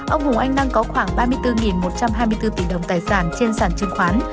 ông hùng anh năng có khoảng ba mươi bốn một trăm hai mươi bốn tỷ đồng tài sản trên sản chứng khoán